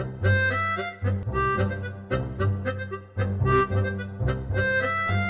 bagi siapa siapa